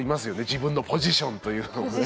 自分のポジションというのもね。